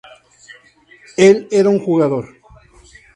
Él era un jugador.